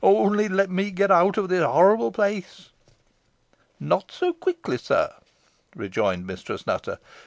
Only let me get out of this horrible place?" "Not so quickly, sir," rejoined Mistress Nutter.